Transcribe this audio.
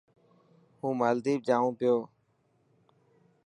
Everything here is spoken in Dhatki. هون مالديپ جائون پيو.